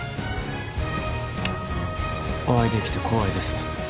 お会いできて光栄です